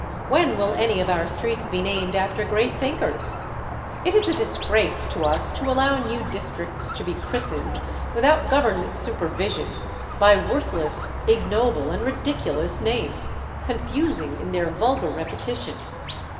When will any of our streets be named after great thinkers? It is a disgrace to us to allow new districts to be christened, without Government supervision, by worthless, ignoble, and ridiculous names, confusing in their vulgar repetition.